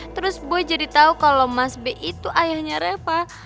terus boy jadi tau kalau mas b itu ayahnya reva